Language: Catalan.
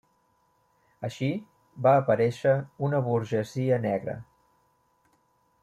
Així, va aparéixer una burgesia negra.